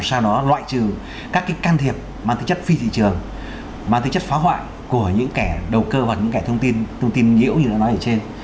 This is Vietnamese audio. sao nó loại trừ các cái can thiệp mang tính chất phi thị trường mang tính chất phá hoại của những kẻ đầu cơ hoặc những kẻ thông tin thông tin nhiễu như nó nói ở trên